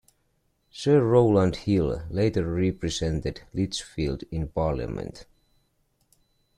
Sir Rowland Hill later represented Lichfield in Parliament.